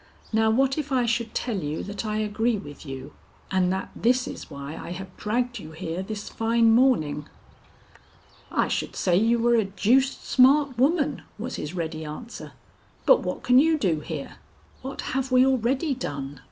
Now what if I should tell you that I agree with you, and that this is why I have dragged you here this fine morning?" "I should say you were a deuced smart woman," was his ready answer. "But what can you do here?" "What have we already done?"